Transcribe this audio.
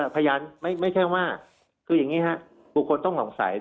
ไม่ใช่ว่าคืออย่างนี้ครับบุคคลต้องสงสัย